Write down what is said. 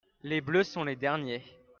les bleus sont les derniers.